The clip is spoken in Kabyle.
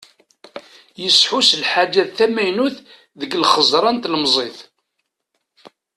Yesḥus s lḥaǧa d tamaynut deg lxeẓra n tlemẓit.